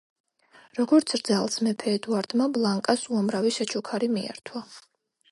როგორც რძალს, მეფე ედუარდმა ბლანკას უამრავი საჩუქარი მიართვა.